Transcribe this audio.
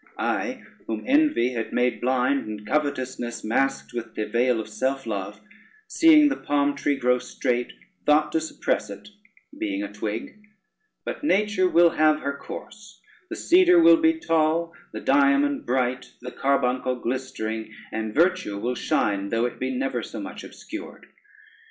I, whom envy had made blind, and covetousness masked with the veil of self love, seeing the palm tree grow straight, thought to suppress it being a twig; but nature will have her course, the cedar will be tall, the diamond bright, the carbuncle glistering, and virtue will shine though it be never so much obscured.